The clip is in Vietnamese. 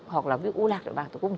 hoặc là u lạc đội bạc